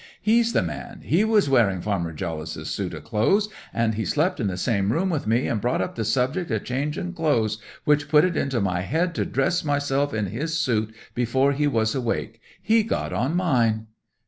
"He's the man! He was wearing Farmer Jollice's suit o' clothes, and he slept in the same room wi' me, and brought up the subject of changing clothes, which put it into my head to dress myself in his suit before he was awake. He's got on mine!"